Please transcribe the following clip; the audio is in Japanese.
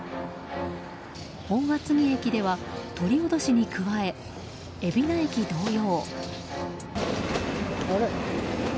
本厚木駅では、鳥おどしに加え海老名駅同様。